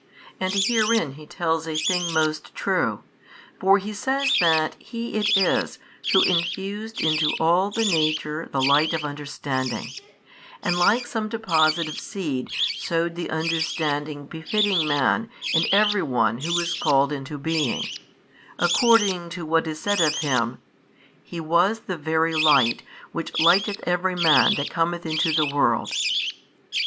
And herein He tells a thing most true: for He says that He it is Who infused into all the nature the light of understanding, and like some deposit of seed sowed the understanding befitting man in every one who is called into being, according to what is said of Him, He was the Very Light Which lighteth every man that cometh into the world.